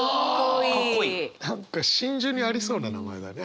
何か真珠にありそうな名前だね。